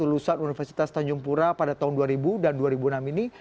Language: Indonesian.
lulusan universitas tanjung pura pada tahun dua ribu dan dua ribu enam ini